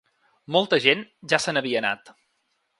Molta gent ja se n’havia anat.